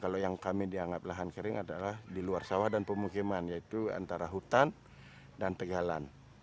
kalau yang kami dianggap lahan kering adalah di luar sawah dan pemukiman yaitu antara hutan dan pegalan